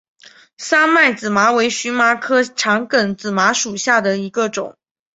三脉紫麻为荨麻科长梗紫麻属下的一个种。